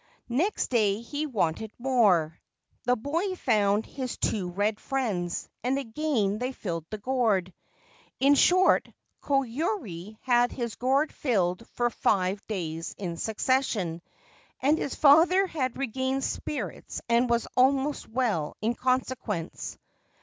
Next day he wanted more. The boy found his two red friends, and again they filled the gourd. In short, Koyuri had his gourd filled for five days in succession, and his father had regained spirits and was almost well in consequence.